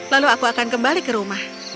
lalu aku akan kembali ke rumah